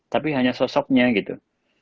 tapi hanya sosoknya gitu